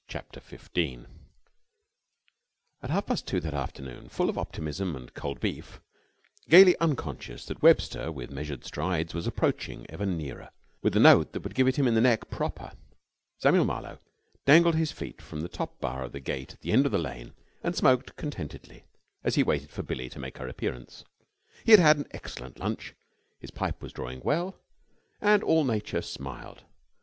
CHAPTER FIFTEEN A half past two that afternoon, full of optimism and cold beef, gaily unconscious that Webster, with measured strides was approaching ever nearer with the note that was to give it him in the neck, proper, Samuel Marlowe dangled his feet from the top bar of the gate at the end of the lane and smoked contentedly as he waited for Billie to make her appearance. He had had an excellent lunch; his pipe was drawing well, and all Nature smiled.